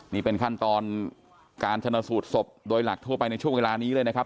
นี่เป็นขั้นตอนการชนะสูตรศพโดยหลักทั่วไปในช่วงเวลานี้เลยนะครับ